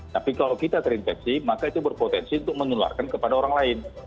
tapi kalau kita terinfeksi maka itu berpotensi untuk menularkan kepada orang lain